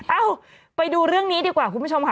เอ้าไปดูเรื่องนี้ดีกว่าคุณผู้ชมค่ะ